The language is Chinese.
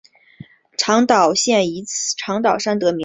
长岛县以长山岛得名。